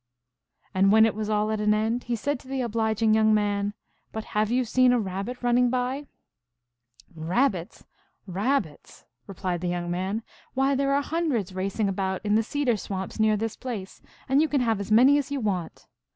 And when it was all at an end he said to the obliging young man, " But have you seen a Rab? bit running by ?"" Rabbits ! Rab bits !" replied the young man. " Why, there are hundreds racing about in the cedar swamps near this place, and you can have as many as you want."